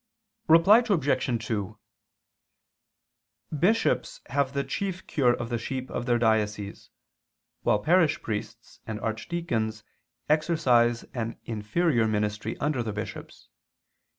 Reply Obj. 2: Bishops have the chief cure of the sheep of their diocese, while parish priests and archdeacons exercise an inferior ministry under the bishops.